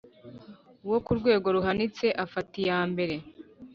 uwo ku rwego ruhanitse afata iyambere